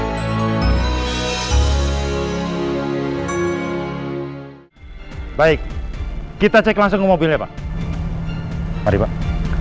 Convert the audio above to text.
hai hai hai hai hai hai baik kita cek langsung mobilnya pak hai hari banget